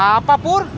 ini bau apa pur